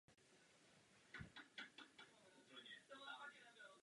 Celý život působil ve službách korutanského a tyrolského vévody Jindřicha Korutanského.